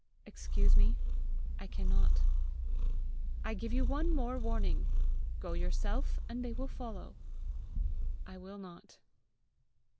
"Excuse me; I cannot." "I give you one more warning. Go yourself, and they will follow." "I will not."